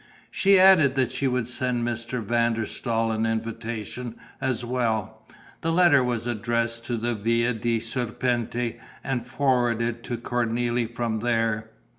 She added that she would send Mr. van der Staal an invitation as well. The letter was addressed to the Via dei Serpenti and forwarded to Cornélie from there.